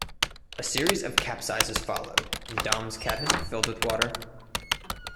A series of capsizes followed, and Dom's cabin filled with water.